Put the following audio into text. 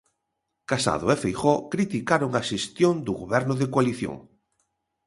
Casado e Feijóo criticaron a xestión do goberno de coalición.